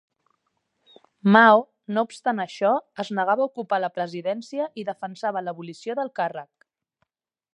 Mao, no obstant això, es negava a ocupar la presidència i defensava l'abolició del càrrec.